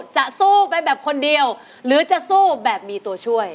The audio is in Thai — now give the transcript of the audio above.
จะสู้ไปแบบคนเดียวหรือจะสู้แบบมีตัวช่วย